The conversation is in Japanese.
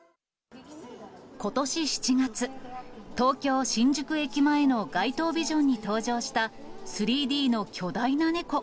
ことし７月、東京・新宿駅前の街頭ビジョンに登場した、３Ｄの巨大な猫。